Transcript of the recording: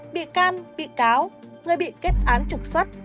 bị can bị cáo người bị kết án trục xuất